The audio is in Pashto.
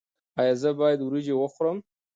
ایا زه باید وریجې وخورم؟